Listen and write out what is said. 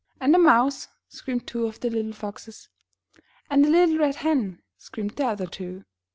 212 IN THE NURSERY "And a Mouse!*' screamed two of the little foxes. "And a little Red Hen/' screamed the other two.